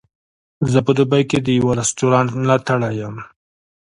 زه په دوبۍ کې د یوه رستورانت ملاتړی یم.